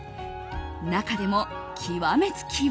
中でも極めつきは。